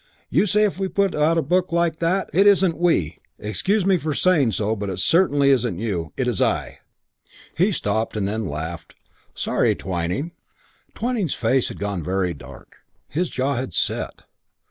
You say if 'we' put out a book like that. It isn't 'we.' Excuse me saying so, but it certainly isn't you. It's I." He stopped, and then laughed. "Sorry, Twyning." III Twyning's face had gone very dark. His jaw had set.